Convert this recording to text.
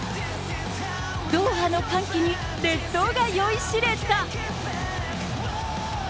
ドーハの歓喜に列島が酔いしれた。